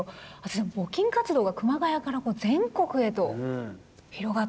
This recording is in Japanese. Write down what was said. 募金活動が熊谷からこう全国へと広がって。